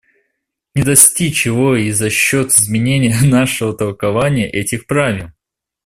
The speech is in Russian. Не достичь его и за счет изменения нашего толкования этих правил.